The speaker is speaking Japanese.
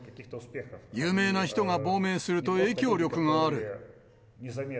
有名な人が亡命すると影響力がある。